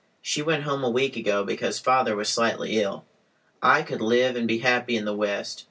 She went home a week ago because father was slightly ill. I could live and be happy in the West.